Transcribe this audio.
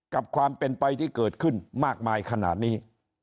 กับความเป็นไปที่เกิดขึ้นมากมายขนาดนี้